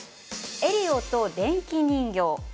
「エリオと電気人形」です。